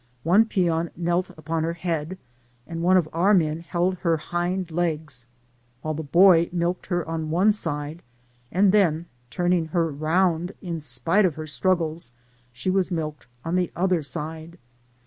One peon knelt upon her head, and one of our men held her hind legs, while the boy milked her on one side, and then turning her round, in spite of her struggles, she was milked on the other side.